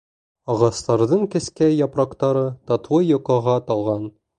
Ағастарҙың кескәй япраҡтары татлы йоҡоға талған.